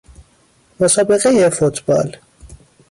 مسابقه فوتبال